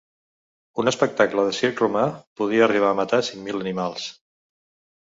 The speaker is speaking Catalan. Un espectacle de circ romà podia arribar a matar cinc mil animals.